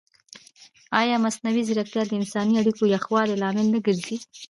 ایا مصنوعي ځیرکتیا د انساني اړیکو یخوالي لامل نه ګرځي؟